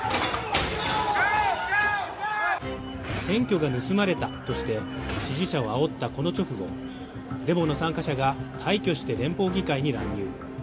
選挙が盗まれたとして支持者をあおったこの直後、デモの参加者が大挙して連邦議会に乱入。